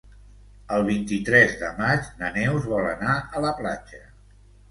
El vint-i-tres de maig na Neus vol anar a la platja.